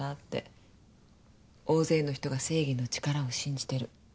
大勢の人が正義の力を信じてる。